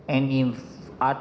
untuk menemukan penyebab kematian